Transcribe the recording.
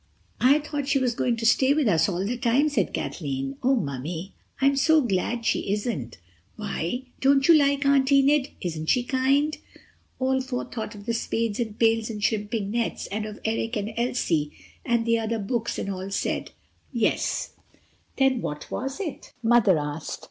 "I thought she was going to stay with us all the time," said Kathleen. "Oh, Mummy, I am so glad she isn't." "Why? Don't you like Aunt Enid? Isn't she kind?" All four thought of the spades and pails and shrimping nets, and of Eric and Elsie and the other books—and all said: "Yes." "Then what was it?" Mother asked.